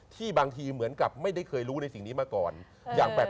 บางทีเหมือนกับไม่ได้เคยรู้ในสิ่งนี้มาก่อนอย่างแปลก